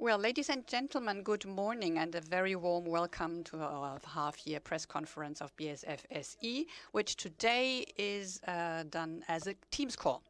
Ladies and gentlemen, good morning and a very warm welcome to our half-year press conference of BASF SE, which today is done as a Teams call.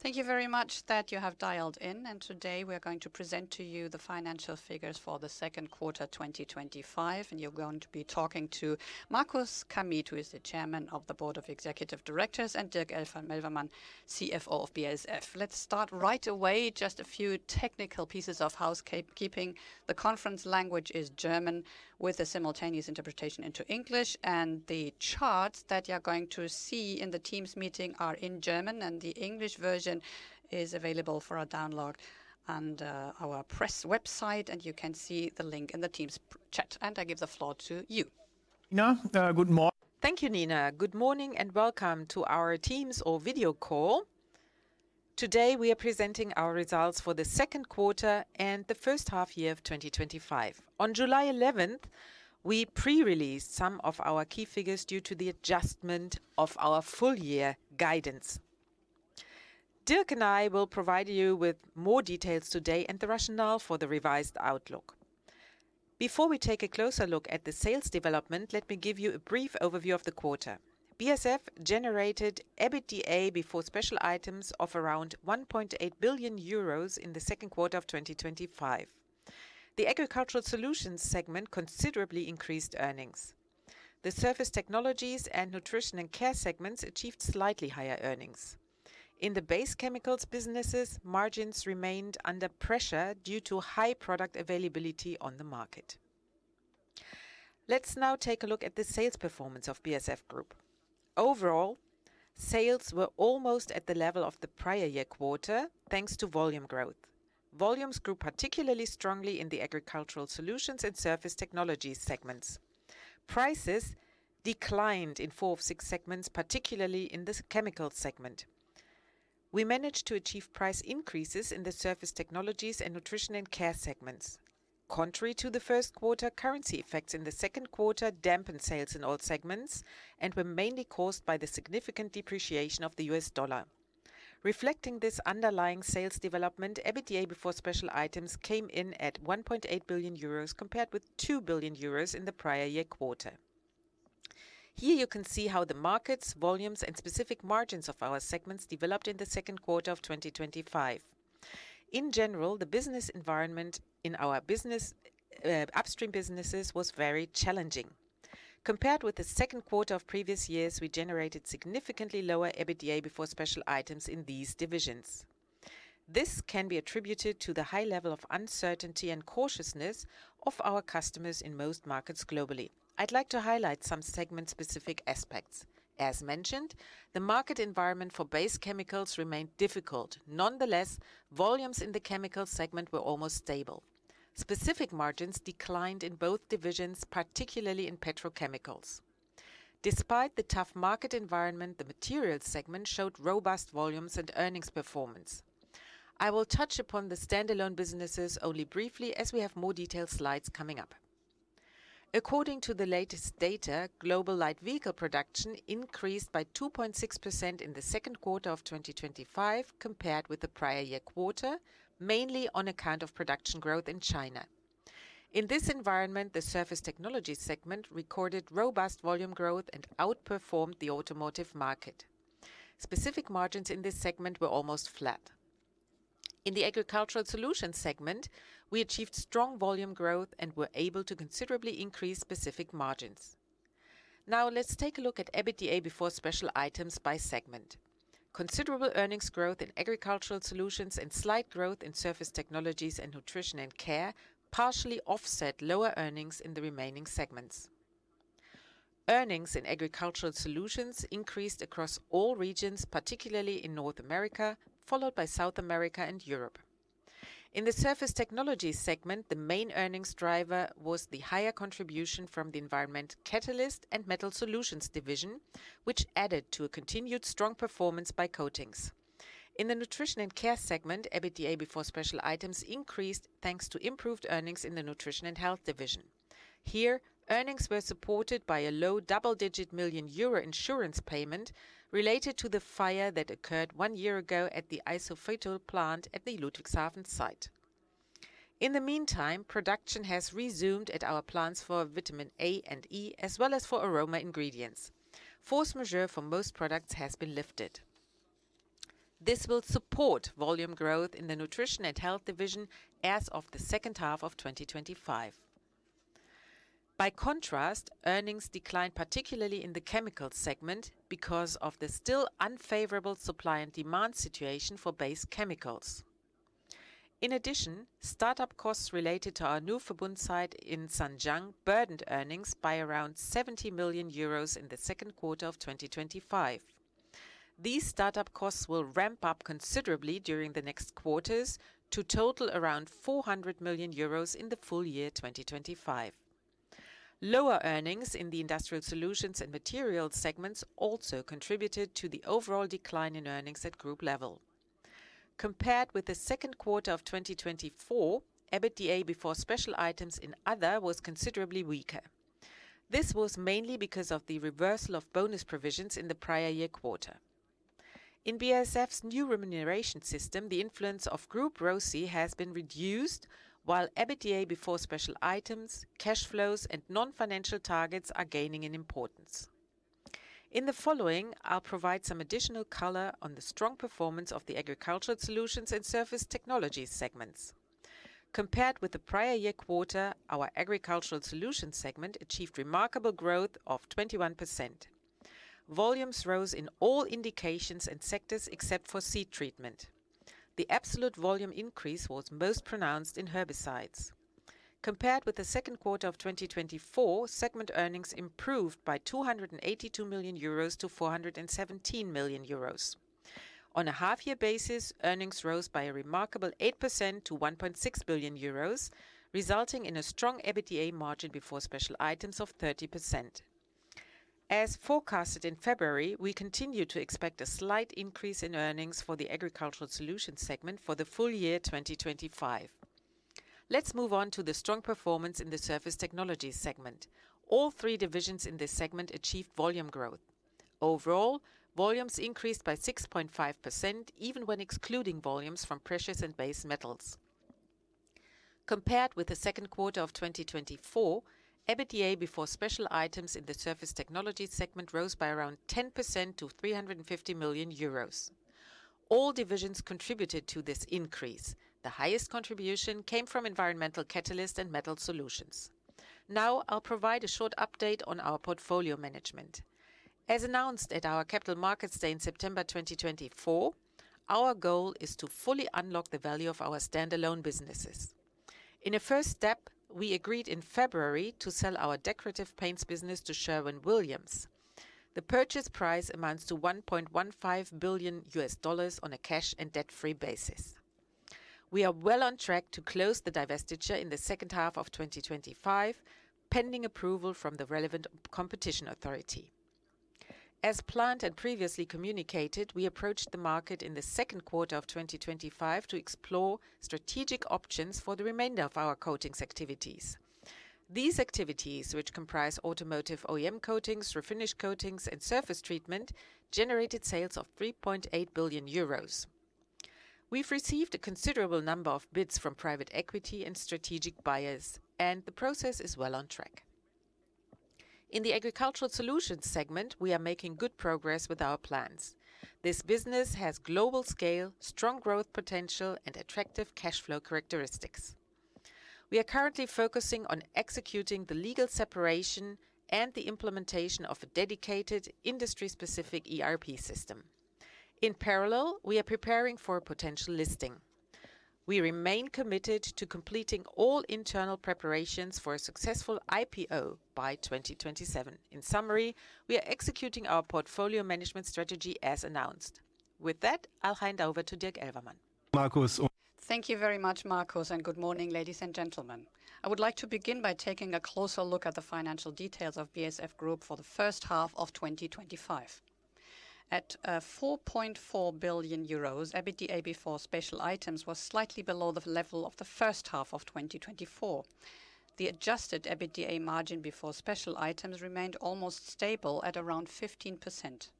Thank you very much that you have dialed in, and today we are going to present to you the financial figures for the second quarter 2025, and you are going to be talking to Markus Kamieth, who is the Chairman of the Board of Executive Directors, and Dirk Elvermann, CFO of BASF. Let's start right away. Just a few technical pieces of housekeeping: the conference language is German, with a simultaneous interpretation into English, and the charts that you are going to see in the Teams meeting are in German, and the English version is available for a download on our press website, and you can see the link in the Teams chat. I give the floor to you. Na, guten Morgen. Thank you, Nina. Good morning and welcome to our Teams or video call. Today we are presenting our results for the second quarter and the first half year of 2025. On July 11th, we pre-released some of our key figures due to the adjustment of our full-year guidance. Dirk and I will provide you with more details today and the rationale for the revised outlook. Before we take a closer look at the sales development, let me give you a brief overview of the quarter. BASF generated EBITDA before special items of around 1.8 billion euros in the second quarter of 2025. The Agricultural Solutions segment considerably increased earnings. The Surface Technologies and Nutrition & Care segments achieved slightly higher earnings. In the Base Chemicals businesses, margins remained under pressure due to high product availability on the market. Let's now take a look at the sales performance of BASF Group. Overall, sales were almost at the level of the prior year quarter, thanks to volume growth. Volumes grew particularly strongly in the Agricultural Solutions and Surface Technologies segments. Prices declined in four of six segments, particularly in the Chemicals segment. We managed to achieve price increases in the Surface Technologies and Nutrition & Care segments. Contrary to the first quarter, currency effects in the second quarter dampened sales in all segments and were mainly caused by the significant depreciation of the U.S. dollar. Reflecting this underlying sales development, EBITDA before special items came in at 1.8 billion euros, compared with 2 billion euros in the prior year quarter. Here you can see how the markets, volumes, and specific margins of our segments developed in the second quarter of 2025. In general, the business environment in our business upstream businesses was very challenging. Compared with the second quarter of previous years, we generated significantly lower EBITDA before special items in these divisions. This can be attributed to the high level of uncertainty and cautiousness of our customers in most markets globally. I'd like to highlight some segment-specific aspects. As mentioned, the market environment for Base Chemicals remained difficult. Nonetheless, volumes in the Chemicals segment were almost stable. Specific margins declined in both divisions, particularly in petrochemicals. Despite the tough market environment, the Materials segment showed robust volumes and earnings performance. I will touch upon the standalone businesses only briefly as we have more detailed slides coming up. According to the latest data, global light vehicle production increased by 2.6% in the second quarter of 2025, compared with the prior year quarter, mainly on account of production growth in China. In this environment, the Surface Technologies segment recorded robust volume growth and outperformed the automotive market. Specific margins in this segment were almost flat. In the Agricultural Solutions segment, we achieved strong volume growth and were able to considerably increase specific margins. Now, let's take a look at EBITDA before special items by segment. Considerable earnings growth in Agricultural Solutions and slight growth in Surface Technologies and Nutrition & Care partially offset lower earnings in the remaining segments. Earnings in Agricultural Solutions increased across all regions, particularly in North America, followed by South America and Europe. In the Surface Technologies segment, the main earnings driver was the higher contribution from the Environmental Catalyst and Metal Solutions division, which added to a continued strong performance by Coatings. In the Nutrition & Care segment, EBITDA before special items increased thanks to improved earnings in the Nutrition and Health division. Here, earnings were supported by a low double-digit million EUR insurance payment related to the fire that occurred one year ago at the isoflavonoid plant at the Ludwigshafen site. In the meantime, production has resumed at our plants for vitamin A and E, as well as for aroma ingredients. Force majeure for most products has been lifted. This will support volume growth in the Nutrition and Health division as of the second half of 2025. By contrast, earnings declined particularly in the Chemicals segment because of the still unfavorable supply and demand situation for Base Chemicals. In addition, startup costs related to our Verbund site in Zhanjiang burdened earnings by around 70 million euros in the second quarter of 2025. These startup costs will ramp up considerably during the next quarters to total around 400 million euros in the full year 2025. Lower earnings in the Industrial Solutions and Materials segments also contributed to the overall decline in earnings at group level. Compared with the second quarter of 2024, EBITDA before special items in Other was considerably weaker. This was mainly because of the reversal of bonus provisions in the prior year quarter. In BASF's new remuneration system, the influence of Group ROSI has been reduced, while EBITDA before special items, cash flows, and non-financial targets are gaining in importance. In the following, I'll provide some additional color on the strong performance of the Agricultural Solutions and Surface Technologies segments. Compared with the prior year quarter, our Agricultural Solutions segment achieved remarkable growth of 21%. Volumes rose in all indications and sectors except for seed treatment. The absolute volume increase was most pronounced in herbicides. Compared with the second quarter of 2024, segment earnings improved by 282 million euros to 417 million euros. On a half-year basis, earnings rose by a remarkable 8% to 1.6 billion euros, resulting in a strong EBITDA margin before special items of 30%. As forecasted in February, we continue to expect a slight increase in earnings for the Agricultural Solutions segment for the full year 2025. Let's move on to the strong performance in the Surface Technologies segment. All three divisions in this segment achieved volume growth. Overall, volumes increased by 6.5%, even when excluding volumes from precious and base metals. Compared with the second quarter of 2024, EBITDA before special items in the Surface Technologies segment rose by around 10% to 350 million euros. All divisions contributed to this increase. The highest contribution came from Environmental Catalysts and Metal Solutions. Now, I'll provide a short update on our portfolio management. As announced at our Capital Markets Day in September 2024, our goal is to fully unlock the value of our standalone businesses. In a first step, we agreed in February to sell our decorative paints business to Sherwin-Williams. The purchase price amounts to $1.15 billion on a cash and debt-free basis. We are well on track to close the divestiture in the second half of 2025, pending approval from the relevant competition authority. As planned and previously communicated, we approached the market in the second quarter of 2025 to explore strategic options for the remainder of our coatings activities. These activities, which comprise automotive OEM coatings, refinish coatings, and surface treatment, generated sales of 3.8 billion euros. We've received a considerable number of bids from private equity and strategic buyers, and the process is well on track. In the Agricultural Solutions segment, we are making good progress with our plans. This business has global scale, strong growth potential, and attractive cash flow characteristics. We are currently focusing on executing the legal separation and the implementation of a dedicated industry-specific ERP system. In parallel, we are preparing for a potential listing. We remain committed to completing all internal preparations for a successful IPO by 2027. In summary, we are executing our portfolio management strategy as announced. With that, I'll hand over to Dirk Elvermann. Markus. Thank you very much, Markus, and good morning, ladies and gentlemen. I would like to begin by taking a closer look at the financial details of BASF Group for the first half of 2025. At 4.4 billion euros, EBITDA before special items was slightly below the level of the first half of 2024. The adjusted EBITDA margin before special items remained almost stable at around 15%.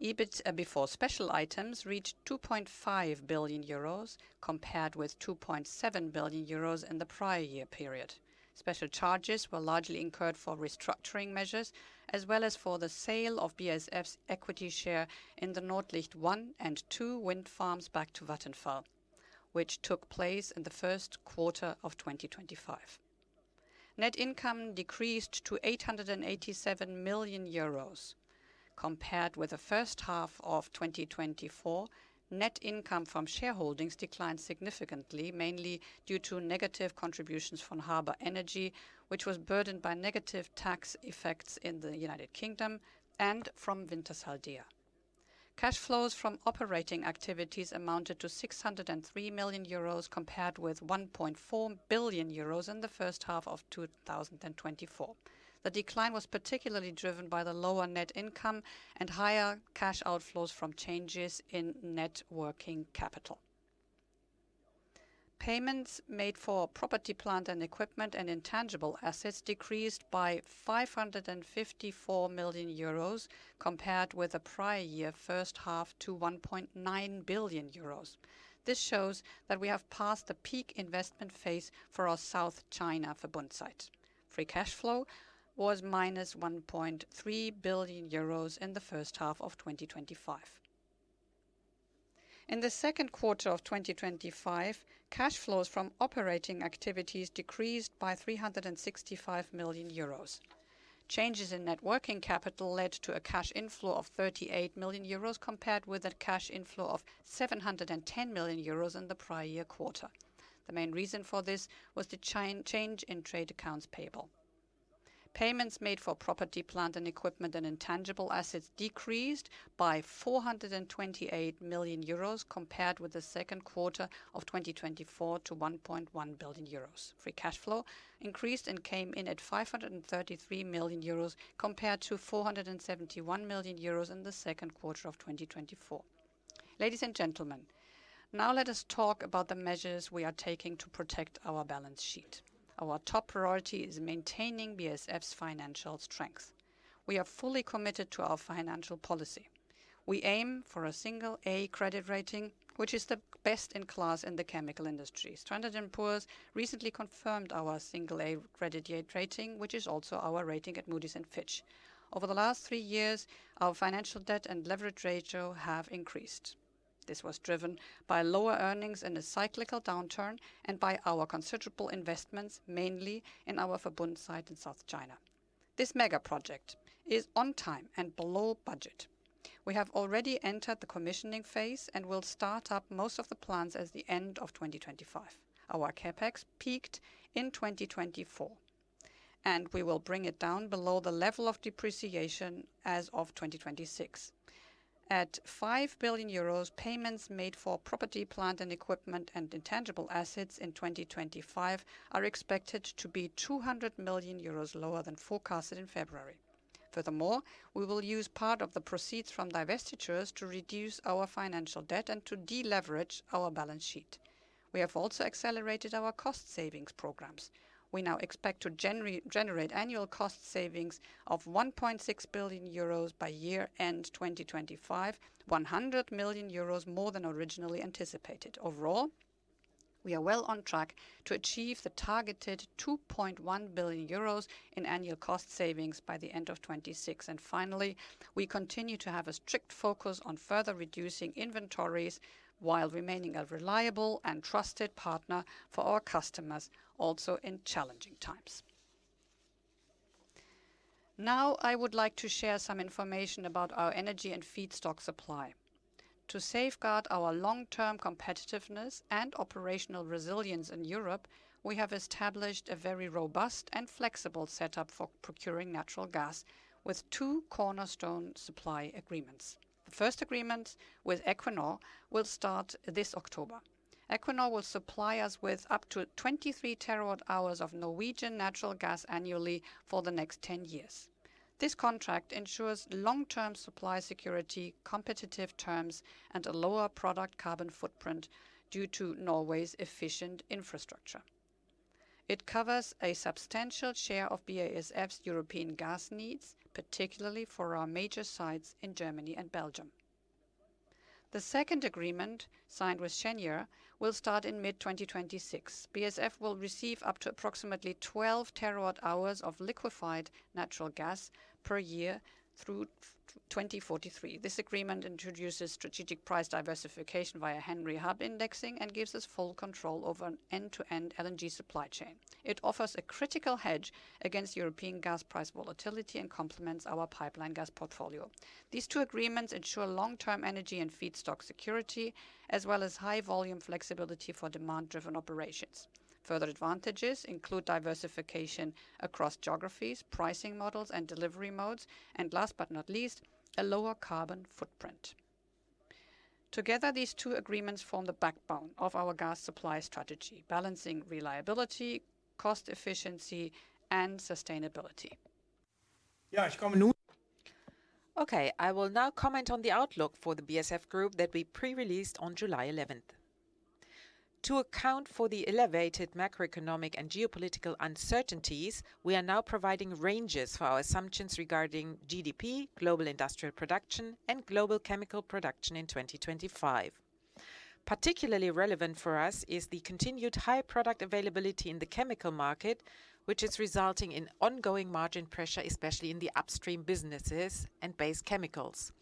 EBIT before special items reached 2.5 billion euros, compared with 2.7 billion euros in the prior year period. Special charges were largely incurred for restructuring measures, as well as for the sale of BASF's equity share in the Nordlicht 1 and 2 wind farms back to Vattenfall, which took place in the first quarter of 2025. Net income decreased to 887 million euros. Compared with the first half of 2024, net income from shareholdings declined significantly, mainly due to negative contributions from Harbour Energy, which was burdened by negative tax effects in the U.K., and from Wintershall Dea. Cash flows from operating activities amounted to 603 million euros, compared with 1.4 billion euros in the first half of 2024. The decline was particularly driven by the lower net income and higher cash outflows from changes in working capital. Payments made for property, plant and equipment and intangible assets decreased by 554 million euros, compared with the prior year first half to 1.9 billion euros. This shows that we have passed the peak investment phase for our South China Verbund site. Free cash flow was minus 1.3 billion euros in the first half of 2025. In the second quarter of 2025, cash flows from operating activities decreased by 365 million euros. Changes in working capital led to a cash inflow of 38 million euros, compared with a cash inflow of 710 million euros in the prior year quarter. The main reason for this was the change in trade accounts payable. Payments made for property, plant and equipment and intangible assets decreased by 428 million euros, compared with the second quarter of 2024 to 1.1 billion euros. Free cash flow increased and came in at 533 million euros, compared to 471 million euros in the second quarter of 2024. Ladies and gentlemen, now let us talk about the measures we are taking to protect our balance sheet. Our top priority is maintaining BASF's financial strength. We are fully committed to our financial policy. We aim for a single A credit rating, which is the best in class in the chemical industry. Standard & Poor’s recently confirmed our single A credit rating, which is also our rating at Moody’s and Fitch. Over the last three years, our financial debt and leverage ratio have increased. This was driven by lower earnings in a cyclical downturn and by our considerable investments, mainly in our Verbund site in South China. This mega project is on time and below budget. We have already entered the commissioning phase and will start up most of the plants at the end of 2025. Our CapEx peaked in 2024. We will bring it down below the level of depreciation as of 2026. At 5 billion euros, payments made for property, plant and equipment and intangible assets in 2025 are expected to be 200 million euros lower than forecasted in February. Furthermore, we will use part of the proceeds from divestitures to reduce our financial debt and to deleverage our balance sheet. We have also accelerated our cost savings programs. We now expect to generate annual cost savings of 1.6 billion euros by year-end 2025, 100 million euros more than originally anticipated. Overall, we are well on track to achieve the targeted 2.1 billion euros in annual cost savings by the end of 2026. Finally, we continue to have a strict focus on further reducing inventories while remaining a reliable and trusted partner for our customers, also in challenging times. Now, I would like to share some information about our energy and feedstock supply. To safeguard our long-term competitiveness and operational resilience in Europe, we have established a very robust and flexible setup for procuring natural gas with two cornerstone supply agreements. The first agreement with Equinor will start this October. Equinor will supply us with up to 23 TWh of Norwegian natural gas annually for the next 10 years. This contract ensures long-term supply security, competitive terms, and a lower product carbon footprint due to Norway’s efficient infrastructure. It covers a substantial share of BASF’s European gas needs, particularly for our major sites in Germany and Belgium. The second agreement, signed with Cheniere, will start in mid-2026. BASF will receive up to approximately 12 TWh of liquefied natural gas per year through 2043. This agreement introduces strategic price diversification via Henry Hub indexing and gives us full control over an end-to-end LNG supply chain. It offers a critical hedge against European gas price volatility and complements our pipeline gas portfolio. These two agreements ensure long-term energy and feedstock security, as well as high-volume flexibility for demand-driven operations. Further advantages include diversification across geographies, pricing models and delivery modes, and last but not least, a lower carbon footprint. Together, these two agreements form the backbone of our gas supply strategy, balancing reliability, cost efficiency, and sustainability. Ja, ich komme nun. Okay, I will now comment on the outlook for the BASF Group that we pre-released on July 11th. To account for the elevated macroeconomic and geopolitical uncertainties, we are now providing ranges for our assumptions regarding GDP, global industrial production, and global chemical production in 2025. Particularly relevant for us is the continued high product availability in the chemical market, which is resulting in ongoing margin pressure, especially in the upstream businesses and Base Chemicals.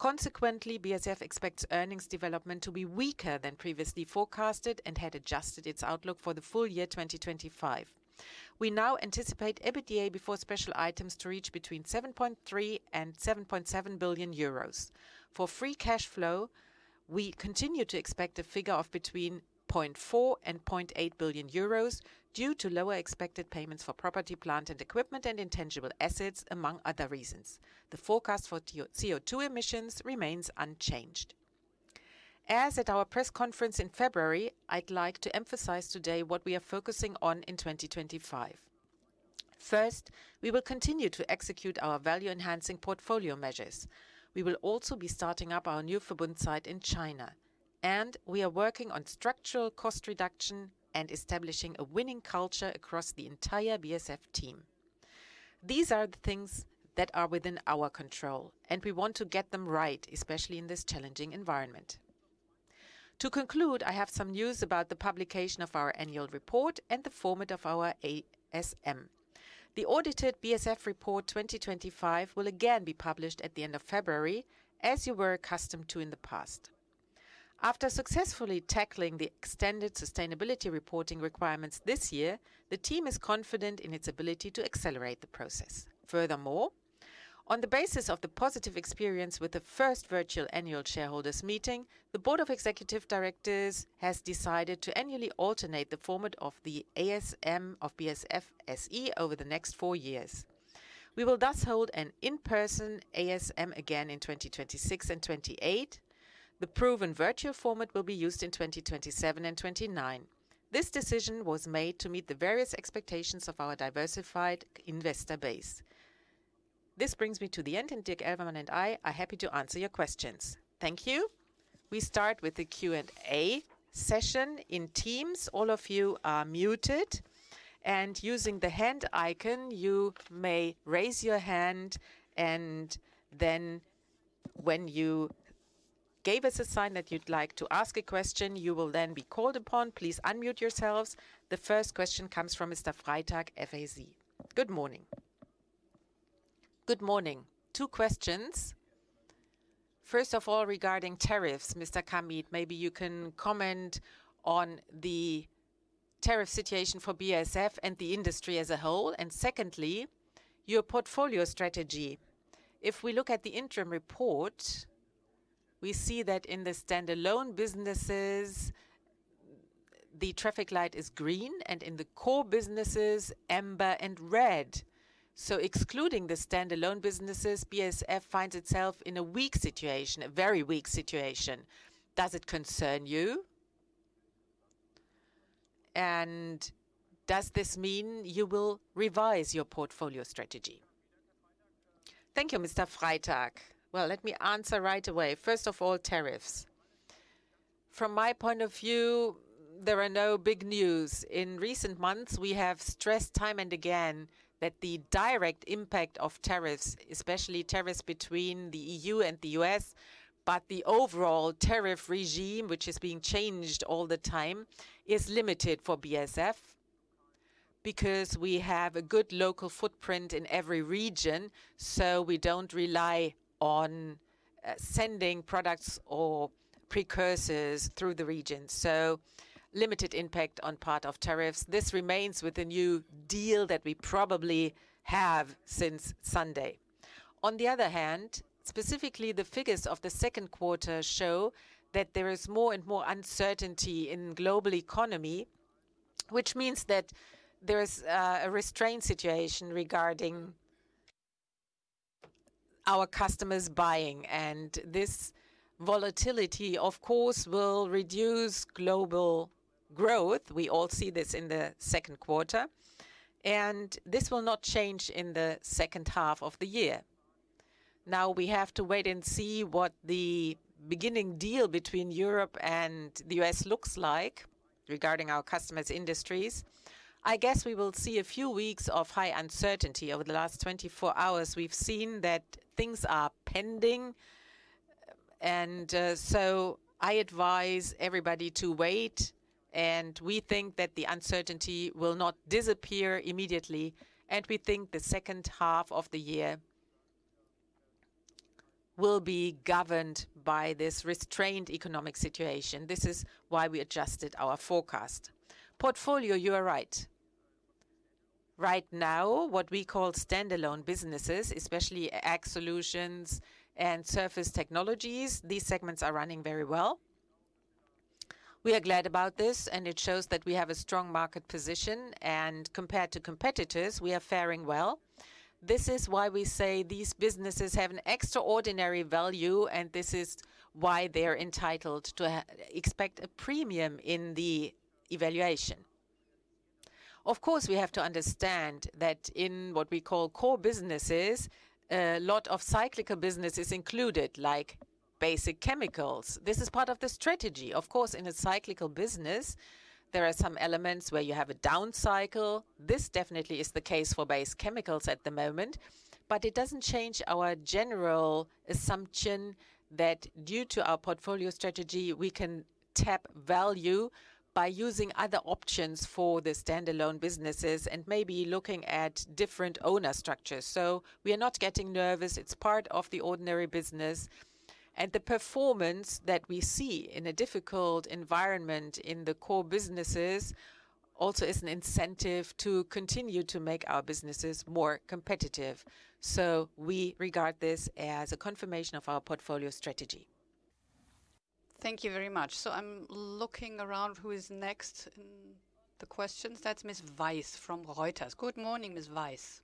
Consequently, BASF expects earnings development to be weaker than previously forecasted and had adjusted its outlook for the full year 2025. We now anticipate EBITDA before special items to reach between 7.3 billion and 7.7 billion euros. For free cash flow, we continue to expect a figure of between 0.4 billion euros and 0.8 billion euros due to lower expected payments for property, plant and equipment and intangible assets, among other reasons. The forecast for CO2 emissions remains unchanged. As at our press conference in February, I'd like to emphasize today what we are focusing on in 2025. First, we will continue to execute our value-enhancing portfolio measures. We will also be starting up our new Verbund site in China, and we are working on structural cost reduction and establishing a winning culture across the entire BASF team. These are the things that are within our control, and we want to get them right, especially in this challenging environment. To conclude, I have some news about the publication of our annual report and the format of our ASM. The audited BASF Report 2025 will again be published at the end of February, as you were accustomed to in the past. After successfully tackling the extended sustainability reporting requirements this year, the team is confident in its ability to accelerate the process. Furthermore, on the basis of the positive experience with the first virtual annual shareholders meeting, the Board of Executive Directors has decided to annually alternate the format of the ASM of BASF SE over the next four years. We will thus hold an in-person ASM again in 2026 and 2028. The proven virtual format will be used in 2027 and 2029. This decision was made to meet the various expectations of our diversified investor base. This brings me to the end, and Dirk Elvermann and I are happy to answer your questions. Thank you. We start with the Q&A session in Teams. All of you are muted, and using the hand icon, you may raise your hand, and then. When you. Gave us a sign that you'd like to ask a question, you will then be called upon. Please unmute yourselves. The first question comes from Mr. Freitag, FAZ. Good morning. Good morning. Two questions. First of all, regarding tariffs, Mr. Kamieth, maybe you can comment on the tariff situation for BASF and the industry as a whole. And secondly, your portfolio strategy. If we look at the interim report, we see that in the standalone businesses, the traffic light is green, and in the core businesses, amber and red. So excluding the standalone businesses, BASF finds itself in a weak situation, a very weak situation. Does it concern you? And does this mean you will revise your portfolio strategy? Thank you, Mr. Freitag. Let me answer right away. First of all, tariffs. From my point of view, there are no big news. In recent months, we have stressed time and again that the direct impact of tariffs, especially tariffs between the E.U. and the U.S., but the overall tariff regime, which is being changed all the time, is limited for BASF. Because we have a good local footprint in every region. So we don't rely on sending products or precursors through the region. So limited impact on part of tariffs. This remains with the new deal that we probably have since Sunday. On the other hand, specifically, the figures of the second quarter show that there is more and more uncertainty in the global economy, which means that there is a restrained situation regarding our customers' buying. And this volatility, of course, will reduce global growth. We all see this in the second quarter. This will not change in the second half of the year. Now, we have to wait and see what the beginning deal between Europe and the U.S. looks like regarding our customers' industries. I guess we will see a few weeks of high uncertainty. Over the last 24 hours, we've seen that things are pending. I advise everybody to wait. We think that the uncertainty will not disappear immediately. We think the second half of the year will be governed by this restrained economic situation. This is why we adjusted our forecast. Portfolio, you are right. Right now, what we call standalone businesses, especially Ag Solutions and Surface Technologies, these segments are running very well. We are glad about this, and it shows that we have a strong market position. Compared to competitors, we are faring well. This is why we say these businesses have an extraordinary value, and this is why they're entitled to expect a premium in the evaluation. Of course, we have to understand that in what we call core businesses. A lot of cyclical businesses included, like basic chemicals. This is part of the strategy. Of course, in a cyclical business, there are some elements where you have a down cycle. This definitely is the case for Base Chemicals at the moment. It does not change our general assumption that due to our portfolio strategy, we can tap value by using other options for the standalone businesses and maybe looking at different owner structures. We are not getting nervous. It is part of the ordinary business. The performance that we see in a difficult environment in the core businesses also is an incentive to continue to make our businesses more competitive. We regard this as a confirmation of our portfolio strategy. Thank you very much. I am looking around who is next in the questions. That is Ms. Weiss from Reuters. Good morning, Ms. Weiss.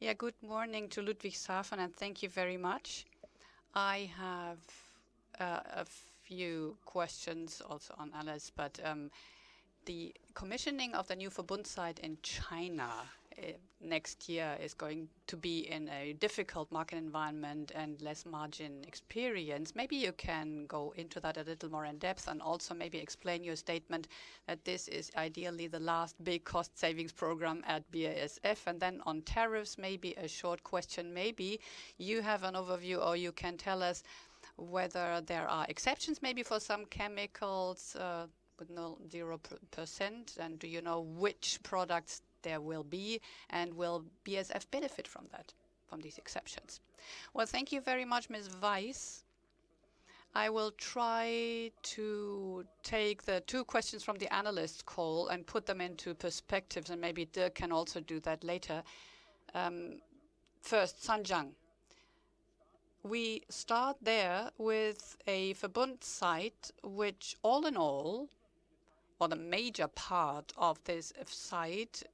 Yeah, good morning to Ludwigshafen, and thank you very much. I have a few questions also on others, but the commissioning of the new Verbund site in China next year is going to be in a difficult market environment and less margin experience. Maybe you can go into that a little more in depth and also maybe explain your statement that this is ideally the last big cost savings program at BASF. On tariffs, maybe a short question, maybe you have an overview or you can tell us whether there are exceptions maybe for some chemicals with no 0%, and do you know which products there will be and will BASF benefit from these exceptions? Thank you very much, Ms. Weiss. I will try to take the two questions from the analysts' call and put them into perspectives, and maybe Dirk can also do that later. First, Zhanjiang. We start there with a Verbund site, which all in all, or the major part of this site,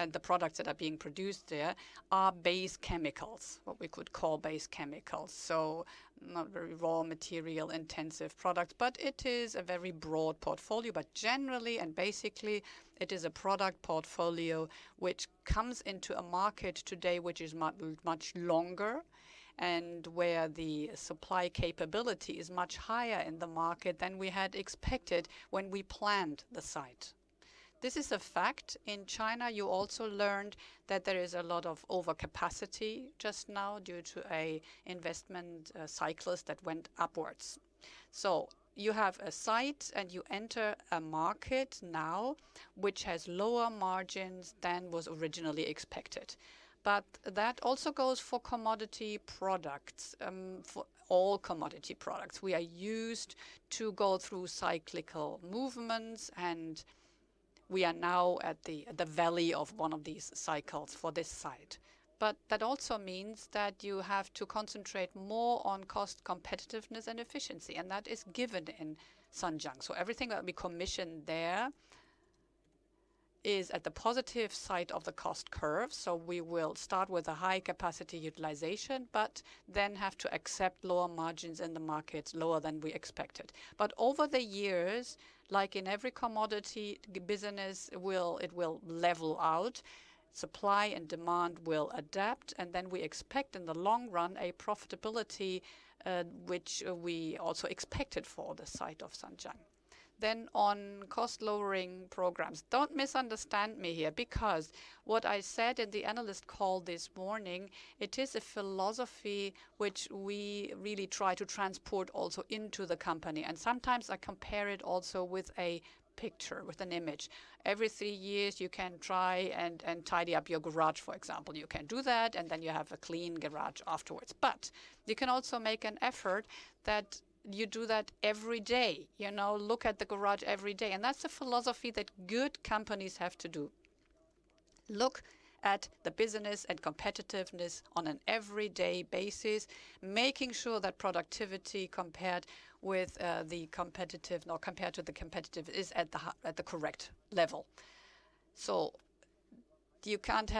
and the products that are being produced there are Base Chemicals, what we could call Base Chemicals. Not very raw material-intensive products, but it is a very broad portfolio. Generally and basically, it is a product portfolio which comes into a market today which is much longer and where the supply capability is much higher in the market than we had expected when we planned the site. This is a fact. In China, you also learned that there is a lot of overcapacity just now due to an investment cycle that went upwards. You have a site and you enter a market now which has lower margins than was originally expected. That also goes for commodity products, for all commodity products. We are used to go through cyclical movements. We are now at the valley of one of these cycles for this site. That also means that you have to concentrate more on cost competitiveness and efficiency, and that is given in Zhanjiang. Everything that we commission there is at the positive side of the cost curve. We will start with a high capacity utilization, but then have to accept lower margins in the markets, lower than we expected. Over the years, like in every commodity business, it will level out. Supply and demand will adapt, and we expect in the long run a profitability which we also expected for the site of Zhanjiang. On cost lowering programs, do not misunderstand me here because what I said in the analyst call this morning, it is a philosophy which we really try to transport also into the company. Sometimes I compare it also with a picture, with an image. Every three years, you can try and tidy up your garage, for example. You can do that, and then you have a clean garage afterwards. You can also make an effort that you do that every day. Look at the garage every day. That is a philosophy that good companies have to do. Look at the business and competitiveness on an everyday basis, making sure that productivity compared with the competitive or compared to the competitive is at the correct level. You cannot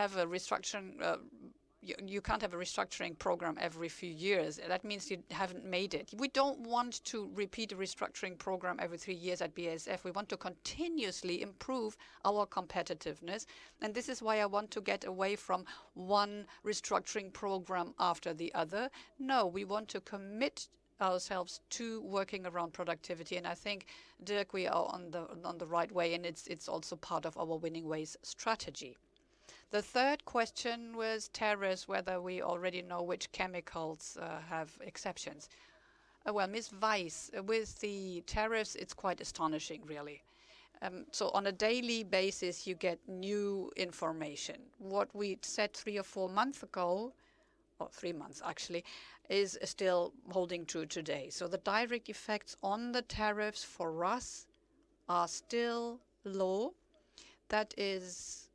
have a restructuring program every few years. That means you have not made it. We do not want to repeat a restructuring program every three years at BASF. We want to continuously improve our competitiveness. This is why I want to get away from one restructuring program after the other. No, we want to commit ourselves to working around productivity. I think, Dirk, we are on the right way, and it is also part of our winning ways strategy. The third question was tariffs, whether we already know which chemicals have exceptions. Ms. Weiss, with the tariffs, it is quite astonishing, really. On a daily basis, you get new information. What we said three or four months ago, or three months, actually, is still holding true today. The direct effects on the tariffs for us are still low. That is.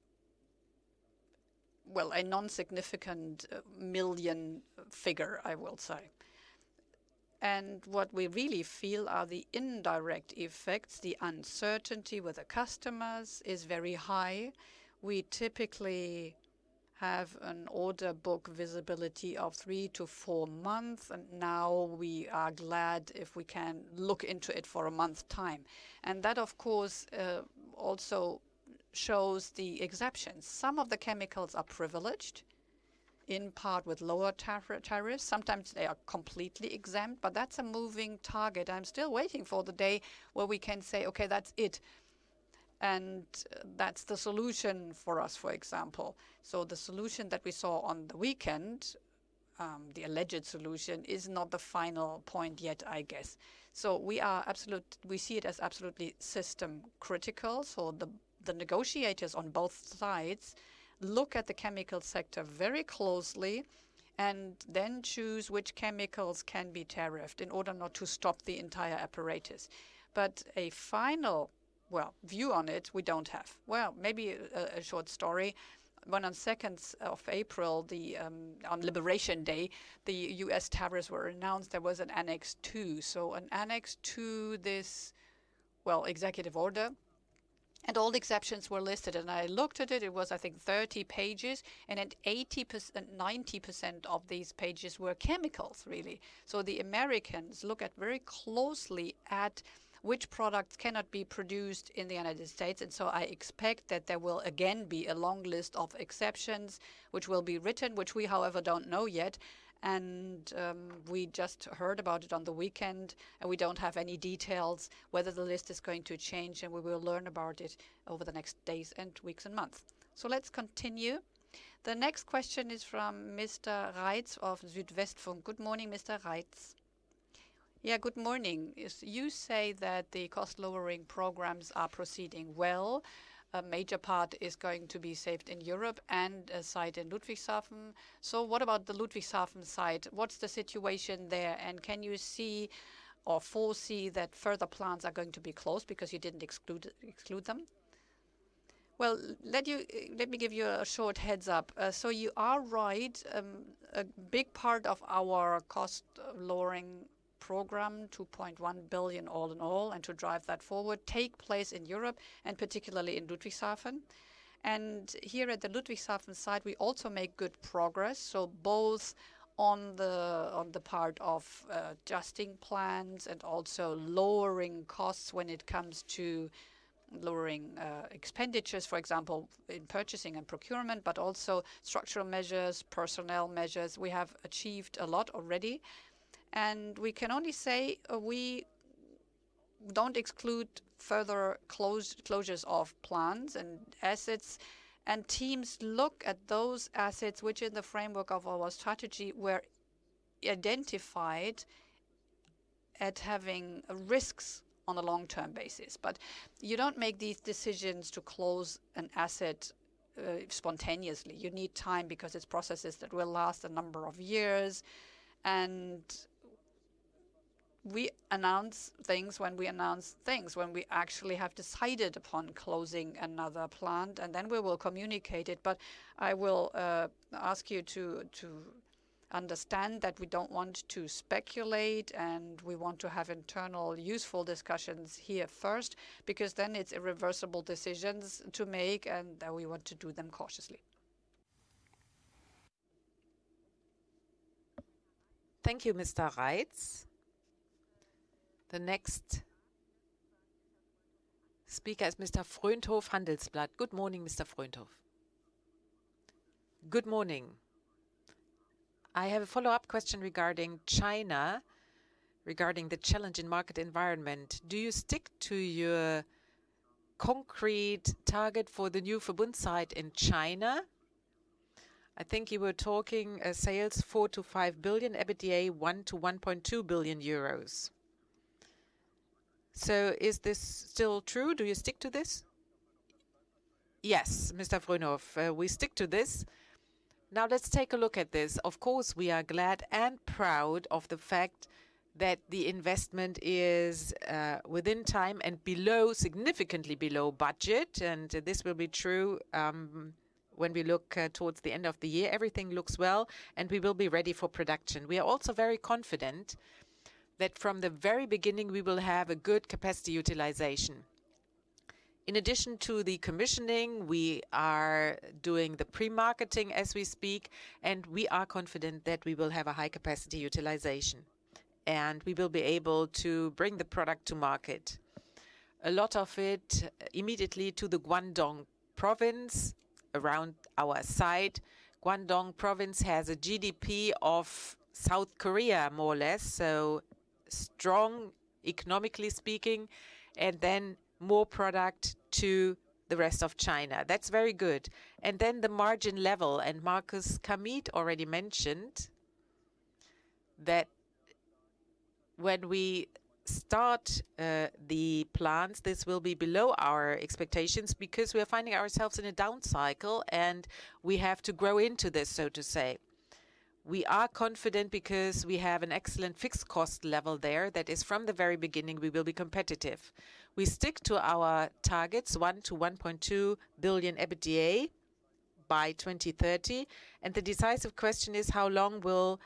A non-significant million figure, I will say. What we really feel are the indirect effects. The uncertainty with the customers is very high. We typically have an order book visibility of three to four months, and now we are glad if we can look into it for a month's time. That, of course, also shows the exceptions. Some of the chemicals are privileged, in part with lower tariffs. Sometimes they are completely exempt, but that's a moving target. I am still waiting for the day where we can say, "Okay, that's it. And that's the solution for us," for example. The solution that we saw on the weekend, the alleged solution, is not the final point yet, I guess. We see it as absolutely system critical. The negotiators on both sides look at the chemical sector very closely and then choose which chemicals can be tariffed in order not to stop the entire apparatus. A final view on it, we don't have. Maybe a short story. When on 2nd of April, on Liberation Day, the U.S. tariffs were announced, there was an annex two. An annex to this executive order, and all the exceptions were listed. I looked at it, it was, I think, 30 pages, and 90% of these pages were chemicals, really. The Americans look very closely at which products cannot be produced in the United States. I expect that there will again be a long list of exceptions which will be written, which we, however, don't know yet. We just heard about it on the weekend, and we don't have any details whether the list is going to change, and we will learn about it over the next days and weeks and months. Let's continue. The next question is from Mr. Reitz of Südwestrundfunk. Good morning, Mr. Reitz. Yeah, good morning. You say that the cost lowering programs are proceeding well. A major part is going to be saved in Europe and a site in Ludwigshafen. What about the Ludwigshafen site? What's the situation there? Can you see or foresee that further plants are going to be closed because you didn't exclude them? Let me give you a short heads-up. You are right. A big part of our cost lowering program, 2.1 billion all in all, and to drive that forward, takes place in Europe, and particularly in Ludwigshafen. Here at the Ludwigshafen site, we also make good progress. Both on the part of adjusting plants and also lowering costs when it comes to. Lowering expenditures, for example, in purchasing and procurement, but also structural measures, personnel measures. We have achieved a lot already. We can only say we do not exclude further closures of plants and assets. Teams look at those assets, which in the framework of our strategy were identified as having risks on a long-term basis. You do not make these decisions to close an asset spontaneously. You need time because it is processes that will last a number of years. We announce things when we announce things, when we actually have decided upon closing another plant, and then we will communicate it. I will ask you to understand that we do not want to speculate, and we want to have internal useful discussions here first because then it is irreversible decisions to make, and we want to do them cautiously. Thank you, Mr. Reitz. The next speaker is Mr. Frohnhoff, Handelsblatt. Good morning, Mr. Frohnhoff. Good morning. I have a follow-up question regarding China, regarding the challenge in market environment. Do you stick to your concrete target for the new Verbund site in China? I think you were talking a sales of 4 billion-5 billion EBITDA, 1 billion-1.2 billion euros. Is this still true? Do you stick to this? Yes, Mr. Frohnhoff, we stick to this. Now, let's take a look at this. Of course, we are glad and proud of the fact that the investment is within time and significantly below budget. This will be true when we look towards the end of the year. Everything looks well, and we will be ready for production. We are also very confident that from the very beginning, we will have a good capacity utilization. In addition to the commissioning, we are doing the pre-marketing as we speak, and we are confident that we will have a high capacity utilization, and we will be able to bring the product to market. A lot of it immediately to the Guangdong province around our site. Guangdong province has a GDP of South Korea, more or less, so strong, economically speaking, and then more product to the rest of China. That is very good. The margin level, and Markus Kamieth already mentioned that when we start the plants, this will be below our expectations because we are finding ourselves in a down cycle, and we have to grow into this, so to say. We are confident because we have an excellent fixed cost level there that is from the very beginning, we will be competitive. We stick to our targets, 1 billion-1.2 billion EBITDA by 2030. The decisive question is, how long will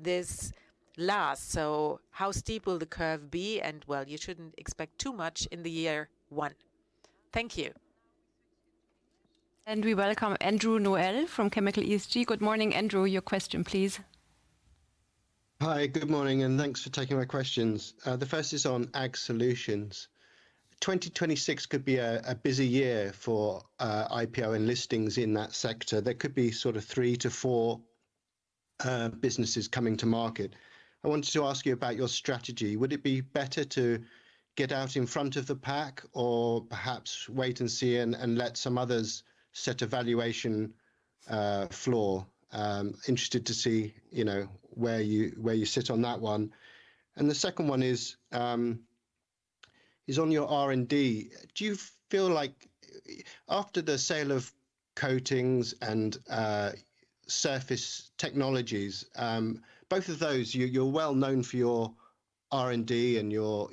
this last? How steep will the curve be? You should not expect too much in year one. Thank you. We welcome Andrew Noel from Chemical ESG. Good morning, Andrew. Your question, please. Hi, good morning, and thanks for taking my questions. The first is on Ag Solutions. 2026 could be a busy year for IPO and listings in that sector. There could be sort of three to four businesses coming to market. I wanted to ask you about your strategy. Would it be better to get out in front of the pack or perhaps wait and see and let some others set a valuation floor? Interested to see where you sit on that one. The second one is on your R&D. Do you feel like after the sale of Coatings and Surface Technologies, both of those, you are well known for your R&D and your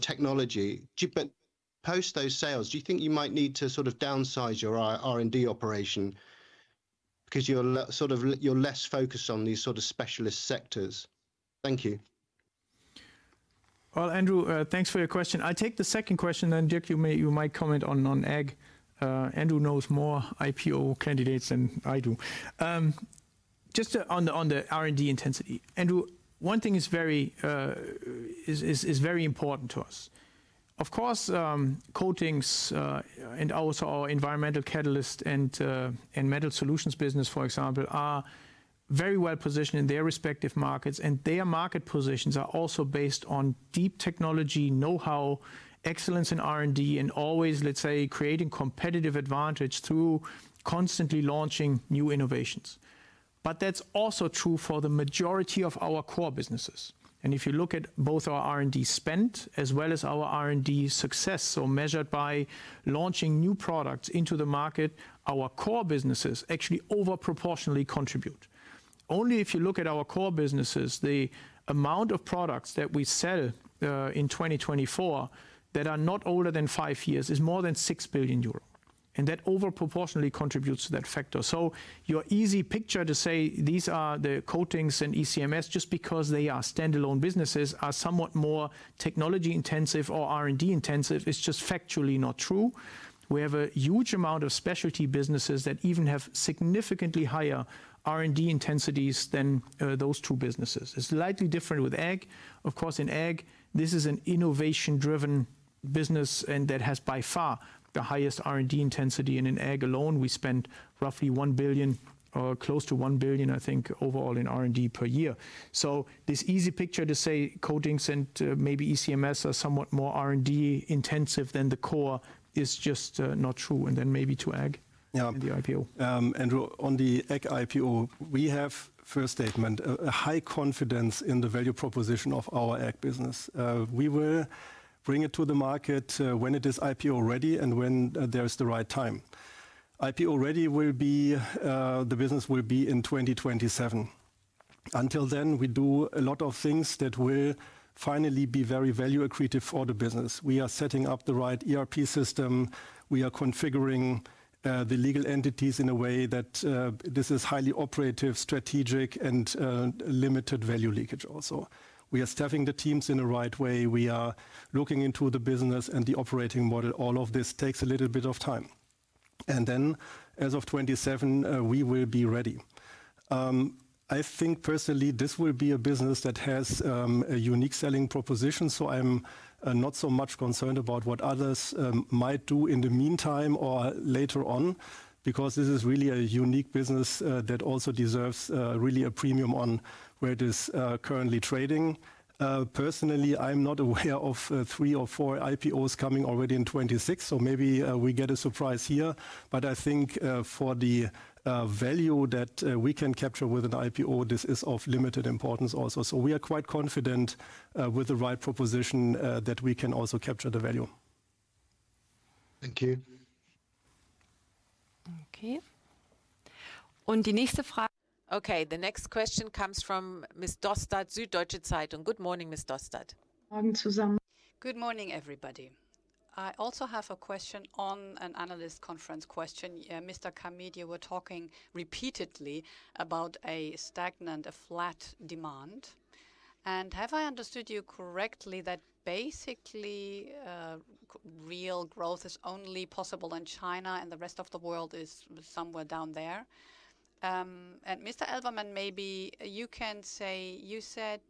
technology, but post those sales, do you think you might need to sort of downsize your R&D operation because you are less focused on these sort of specialist sectors? Thank you. Thank you, Andrew, for your question. I will take the second question, and Dirk, you might comment on Ag. Andrew knows more IPO candidates than I do. Just on the R&D intensity, Andrew, one thing is very important to us. Of course, coatings and also our Environmental Catalyst and Metal Solutions business, for example, are very well positioned in their respective markets, and their market positions are also based on deep technology, know-how, excellence in R&D, and always, let's say, creating competitive advantage through constantly launching new innovations. That is also true for the majority of our core businesses. If you look at both our R&D spend as well as our R&D success, so measured by launching new products into the market, our core businesses actually overproportionately contribute. Only if you look at our core businesses, the amount of products that we sell in 2024 that are not older than five years is more than 6 billion euro. That overproportionately contributes to that factor. Your easy picture to say these are the coatings and ECMS just because they are standalone businesses are somewhat more technology-intensive or R&D-intensive is just factually not true. We have a huge amount of specialty businesses that even have significantly higher R&D intensities than those two businesses. It is slightly different with Ag. In Ag, this is an innovation-driven business and that has by far the highest R&D intensity. In Ag alone, we spend roughly 1 billion, close to 1 billion, I think, overall in R&D per year. This easy picture to say coatings and maybe ECMS are somewhat more R&D-intensive than the core is just not true. Maybe to Ag and the IPO. Andrew, on the Ag IPO, first statement, we have a high confidence in the value proposition of our Ag business. We will bring it to the market when it is IPO ready and when there is the right time. IPO ready will be the business will be in 2027. Until then, we do a lot of things that will finally be very value-accretive for the business. We are setting up the right ERP system. We are configuring the legal entities in a way that this is highly operative, strategic, and limited value leakage also. We are staffing the teams in the right way. We are looking into the business and the operating model. All of this takes a little bit of time. As of 2027, we will be ready. I think, personally, this will be a business that has a unique selling proposition, so I'm not so much concerned about what others might do in the meantime or later on because this is really a unique business that also deserves really a premium on where it is currently trading. Personally, I'm not aware of three or four IPOs coming already in 2026, so maybe we get a surprise here. I think for the value that we can capture with an IPO, this is of limited importance also. We are quite confident with the right proposition that we can also capture the value. Thank you. Okay, the next question comes from Ms. Dostert, Süddeutsche Zeitung. Good morning, Ms. Dostert. Morgen zusammen. Good morning, everybody. I also have a question on an analyst conference question. Mr. Kamieth, you were talking repeatedly about a stagnant, a flat demand. Have I understood you correctly that basically real growth is only possible in China and the rest of the world is somewhere down there? Mr. Elvermann, maybe you can say you said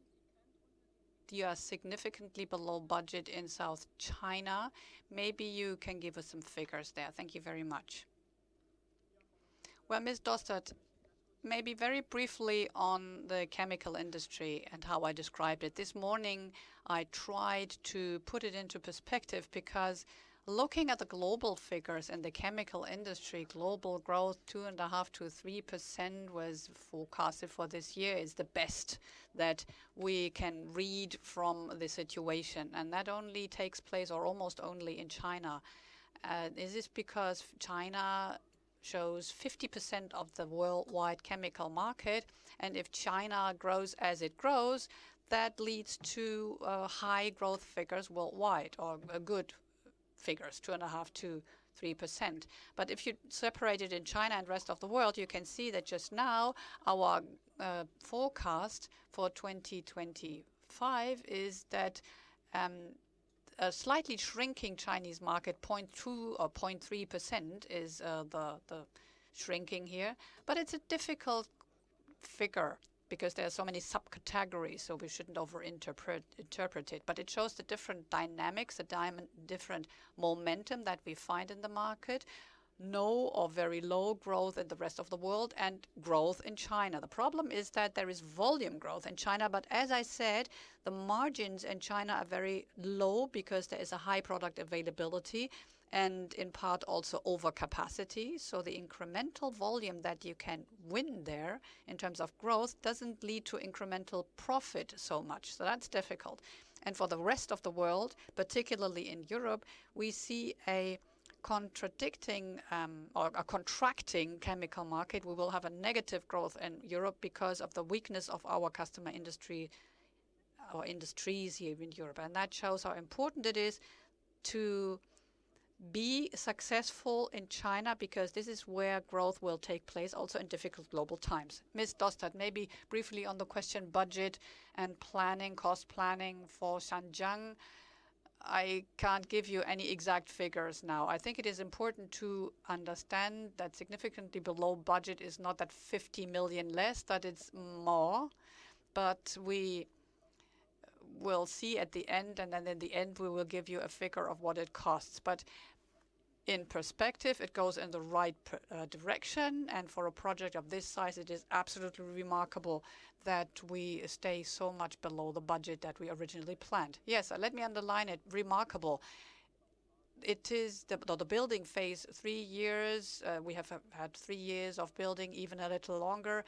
you are significantly below budget in South China. Maybe you can give us some figures there. Thank you very much. Ms. Dostert, maybe very briefly on the chemical industry and how I described it. This morning, I tried to put it into perspective because looking at the global figures and the chemical industry, global growth, 2.5-3% was forecasted for this year, is the best that we can read from the situation. That only takes place or almost only in China. Is this because China shows 50% of the worldwide chemical market? And if China grows as it grows, that leads to high growth figures worldwide or good figures, 2.5-3%. But if you separate it in China and the rest of the world, you can see that just now our forecast for 2025 is that a slightly shrinking Chinese market, 0.2 or 0.3%, is the shrinking here. But it's a difficult figure because there are so many subcategories, so we shouldn't overinterpret it. But it shows the different dynamics, the different momentum that we find in the market. No or very low growth in the rest of the world and growth in China. The problem is that there is volume growth in China, but as I said, the margins in China are very low because there is a high product availability and in part also overcapacity. So the incremental volume that you can win there in terms of growth doesn't lead to incremental profit so much. That's difficult. And for the rest of the world, particularly in Europe, we see a contracting chemical market. We will have a negative growth in Europe because of the weakness of our customer industry, our industries here in Europe. That shows how important it is to be successful in China because this is where growth will take place, also in difficult global times. Ms. Dostert, maybe briefly on the question budget and planning, cost planning for Zhanjiang. I can't give you any exact figures now. I think it is important to understand that significantly below budget is not that 50 million less, that it's more. But we will see at the end, and then at the end, we will give you a figure of what it costs. In perspective, it goes in the right direction. For a project of this size, it is absolutely remarkable that we stay so much below the budget that we originally planned. Yes, let me underline it. Remarkable. It is the building phase, three years. We have had three years of building, even a little longer.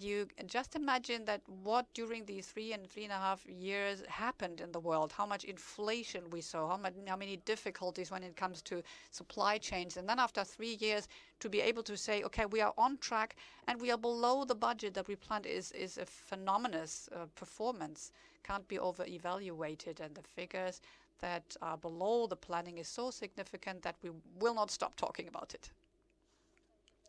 You just imagine that what during these three and three and a half years happened in the world, how much inflation we saw, how many difficulties when it comes to supply chains. After three years, to be able to say, okay, we are on track and we are below the budget that we planned is a phenomenous performance. Can't be over-evaluated. The figures that are below the planning are so significant that we will not stop talking about it.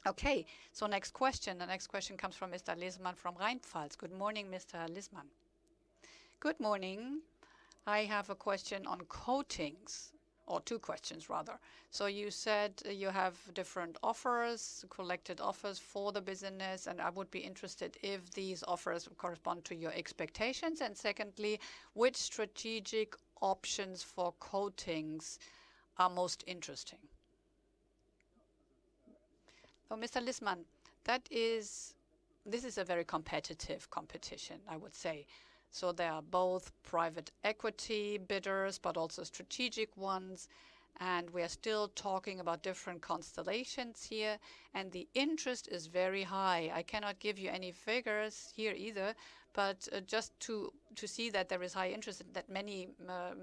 Okay, so next question. The next question comes from Mr. Lismann from Rheinpfalz. Good morning, Mr. Lismann. Good morning. I have a question on coatings, or two questions rather. You said you have different offers, collected offers for the business, and I would be interested if these offers correspond to your expectations. Secondly, which strategic options for coatings are most interesting? For Mr. Lismann, this is a very competitive competition, I would say. There are both private equity bidders, but also strategic ones. We are still talking about different constellations here, and the interest is very high. I cannot give you any figures here either, but just to see that there is high interest and that many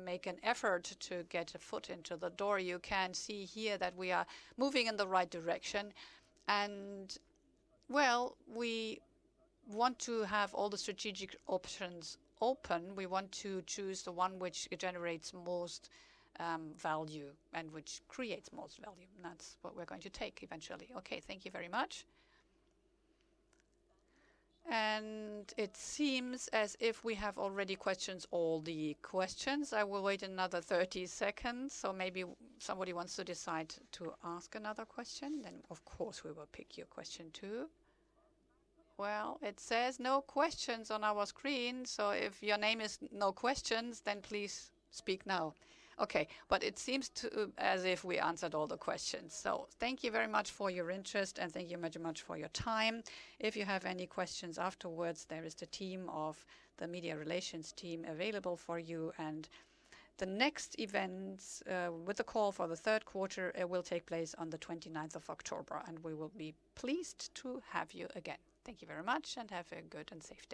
make an effort to get a foot into the door, you can see here that we are moving in the right direction. We want to have all the strategic options open. We want to choose the one which generates most value and which creates most value. That is what we are going to take eventually. Okay, thank you very much. It seems as if we have already questioned all the questions. I will wait another 30 seconds. Maybe somebody wants to decide to ask another question. Of course, we will pick your question too. It says no questions on our screen. If your name is no questions, then please speak now. It seems as if we answered all the questions. Thank you very much for your interest and thank you very much for your time. If you have any questions afterwards, there is the team of the media relations team available for you. The next events with the call for the third quarter will take place on the 29th of October, and we will be pleased to have you again. Thank you very much and have a good and safe.